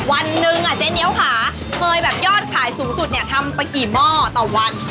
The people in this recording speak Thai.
วันหนึ่งอ่ะเจ๊เหนียวค่ะเคยแบบยอดขายสูงสุดเนี่ยทำไปกี่หม้อต่อวัน